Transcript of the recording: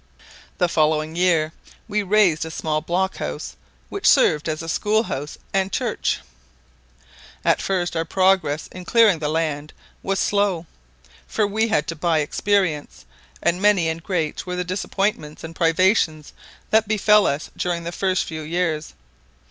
"The following year we raised a small blockhouse, which served as a school house and church. At first our progress in clearing the land was slow, for we had to buy experience, and many and great were the disappointments and privations that befel us during the first few years.